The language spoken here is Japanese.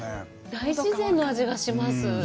大自然の味がします。